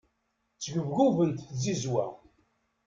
Ttgebgubent tzizwa.